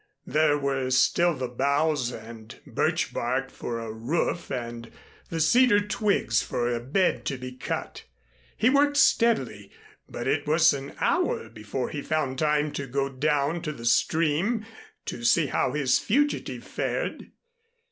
There were still the boughs and birch bark for a roof and the cedar twigs for a bed to be cut. He worked steadily, but it was an hour before he found time to go down to the stream to see how his fugitive fared.